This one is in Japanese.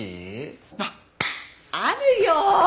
あっあるよ！